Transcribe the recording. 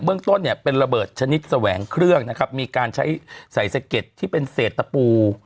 เรื่องต้นเนี่ยเป็นระเบิดชนิดแสวงเครื่องนะครับมีการใช้ใส่สะเก็ดที่เป็นเศษตะปู